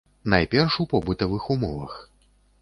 Найперш у побытавых умовах.